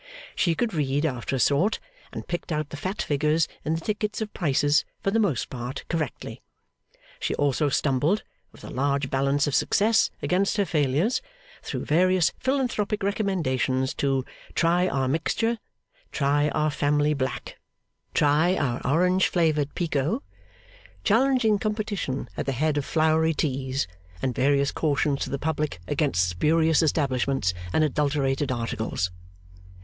She could read after a sort; and picked out the fat figures in the tickets of prices, for the most part correctly. She also stumbled, with a large balance of success against her failures, through various philanthropic recommendations to Try our Mixture, Try our Family Black, Try our Orange flavoured Pekoe, challenging competition at the head of Flowery Teas; and various cautions to the public against spurious establishments and adulterated articles.